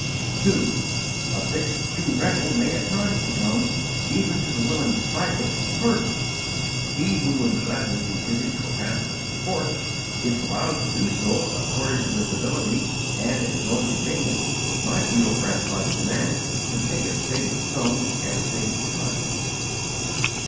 2. A fixed pew rental may at times become, even to the willing disciple, a burden. He who would gladly contribute to a pastor's support, if allowed to do so according to his ability and at his own convenience, might be oppressed by the demand to pay a stated sum at a stated time.